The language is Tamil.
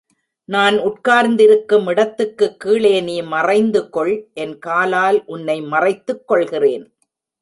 நான் உட்கார்ந்திருக்கும் இடத்துக்குக் கீழே நீ மறைந்து கொள் என் காலால் உன்னை மறைத்துக் கொள்கிறேன்.